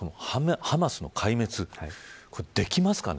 ハマスの壊滅これ出来ますかね。